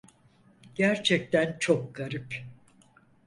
Gerçekten çok garip.